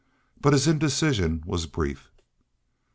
But his indecision was brief.